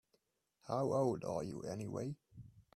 How old are you anyway?